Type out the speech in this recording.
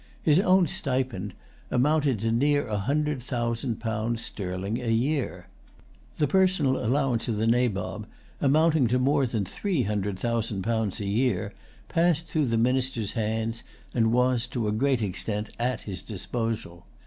His own stipend amounted to near a hundred thousand pounds sterling a year. The personal allowance of the Nabob, amounting to more than three hundred thousand pounds a year, passed through the minister's hands, and was, to a great extent, at his disposal.